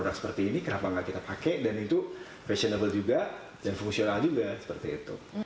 orang seperti ini kenapa tidak kita pakai dan itu fashionable juga dan fungsional juga